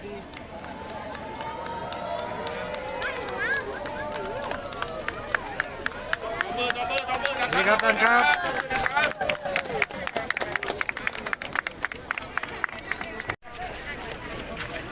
มีอัพเพลงขับรถพลังข่าวที่จะมีความพิเศษกับสมงศัตริย์